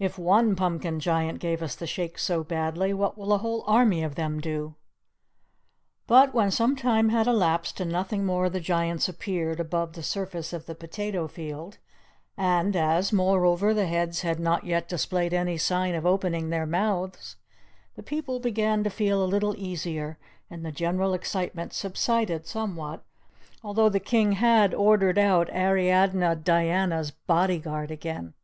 If one Pumpkin Giant gave us the Shakes so badly, what will a whole army of them do?" But when some time had elapsed and nothing more of the Giants appeared above the surface of the potato field, and as moreover the heads had not yet displayed any sign of opening their mouths, the people began to feel a little easier, and the general excitement subsided somewhat, although the King had ordered out Ariadne Diana's body guard again.